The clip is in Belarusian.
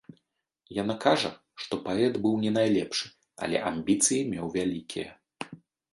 Яна кажа, што паэт быў не найлепшы, але амбіцыі меў вялікія.